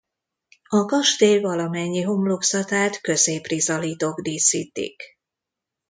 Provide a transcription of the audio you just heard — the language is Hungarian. A kastély valamennyi homlokzatát középrizalitok díszítik.